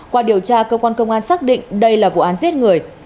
qua điều tra cơ quan công an xác định đây là vụ án giết người